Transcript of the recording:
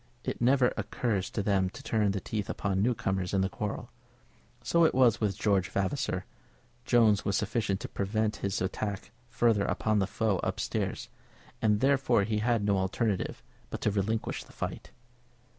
It never occurs to them to turn their teeth upon newcomers in the quarrel. So it was with George Vavasor. Jones was sufficient to prevent his further attack upon the foe up stairs, and therefore he had no alternative but to relinquish the fight.